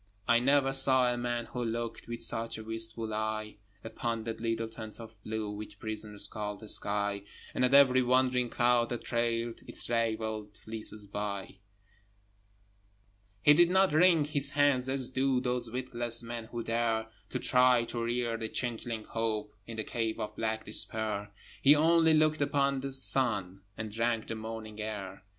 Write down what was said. I never saw a man who looked With such a wistful eye Upon that little tent of blue Which prisoners call the sky, And at every wandering cloud that trailed Its ravelled fleeces by. He did not wring his hands, as do Those witless men who dare To try to rear the changeling Hope In the cave of black Despair: He only looked upon the sun, And drank the morning air.